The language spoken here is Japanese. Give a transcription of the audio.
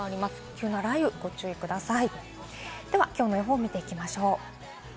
急な雷雨にご注意ください。